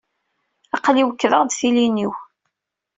Aql-i wekkdeɣ-d tilin-iw.